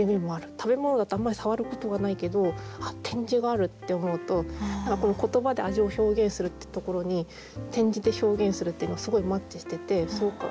食べ物だとあんまり触ることがないけど点字があるって思うと言葉で味を表現するってところに点字で表現するっていうのはすごいマッチしててそうか。